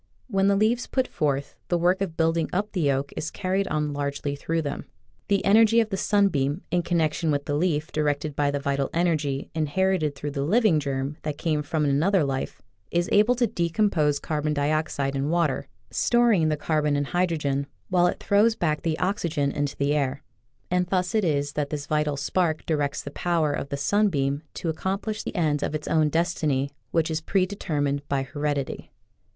When the leaves put forth, the work of building up the oak is carried on largely through them. The en ergy of the sunbeam, in connection with the leaf directed by the vital energy inherited through the living germ that came from an other life, is able to decompose carbon di oxide and water, storing the carbon and Original from UNIVERSITY OF WISCONSIN 52 nature*© ABfractee. hydrogen, while it throws back the oxygen into the air. And thus it is that this vital spark directs the power of the sunbeam to accom plish the ends of its own destiny which is predetermined by heredity.